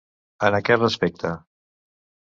En aquest respecte.